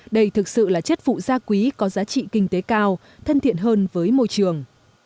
đây thực sự là chất phụ da quý có giá trị kinh tế cao thân thiện hơn với môi trường